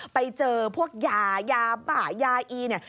ไปเจอพวกยายาบ้ายาอีเนี่ย